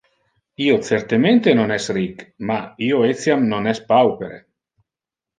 Io certemente non es ric, ma io etiam non es paupere.